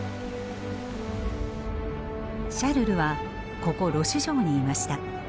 シャルルはここロシュ城にいました。